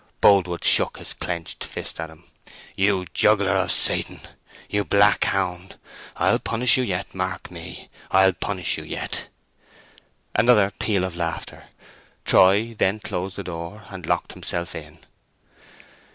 Boldwood shook his clenched fist at him. "You juggler of Satan! You black hound! But I'll punish you yet; mark me, I'll punish you yet!" Another peal of laughter. Troy then closed the door, and locked himself in.